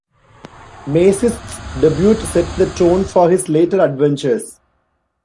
Maciste's debut set the tone for his later adventures.